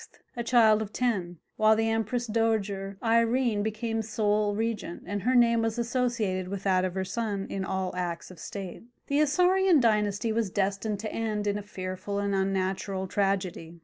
a child of ten, while the Empress Dowager Irene became sole regent, and her name was associated with that of her son in all acts of state. The Isaurian dynasty was destined to end in a fearful and unnatural tragedy.